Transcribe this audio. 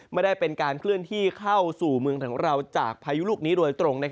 ไม่ได้เป็นการเคลื่อนที่เข้าสู่เมืองของเราจากพายุลูกนี้โดยตรง